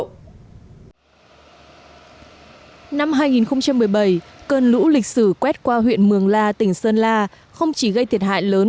năm hai nghìn một mươi bảy cơn lũ lịch sử quét qua huyện mường la tỉnh sơn la không chỉ gây thiệt hại lớn